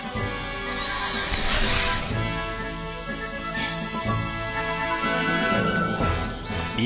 よし。